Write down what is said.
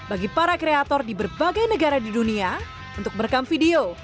bagi para kreator di berbagai negara di dunia untuk merekam video